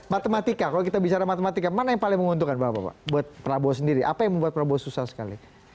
matematika kalau kita bicara matematika mana yang paling menguntungkan bapak buat prabowo sendiri apa yang membuat prabowo susah sekali